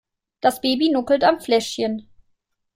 Das Baby nuckelt am Fläschchen.